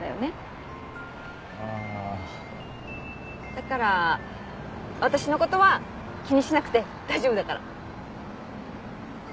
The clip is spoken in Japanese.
だから私のことは気にしなくて大丈夫だから。